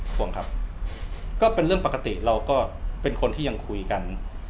ห่วงครับก็เป็นเรื่องปกติเราก็เป็นคนที่ยังคุยกัน